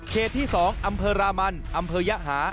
เคสที่สองอำเภอรามันอำเภยะหา